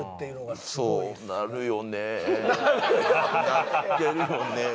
なってるもんね。